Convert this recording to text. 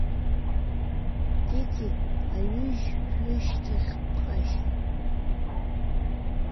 Пики аҩыжәҩышьҭахьҟаԥшьы!